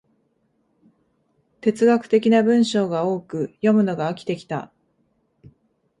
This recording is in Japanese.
哲学的な文章が多く、読むのが飽きてきた